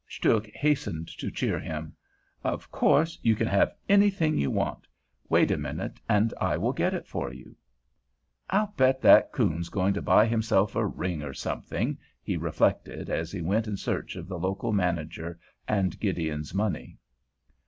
Stuhk hastened to cheer him. "Of course you can have anything you want. Wait a minute, and I will get it for you. "I'll bet that coon's going to buy himself a ring or something," he reflected as he went in search of the local manager and Gideon's money.